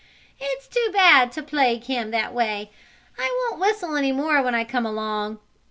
"It's too bad to plague him that way. I won't whistle any more when I come along."